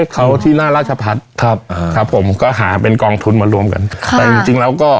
เขาที่หน้าราชพัฒน์ครับอ่าครับผมก็หาเป็นกองทุนมารวมกันค่ะแต่จริงจริงแล้วก็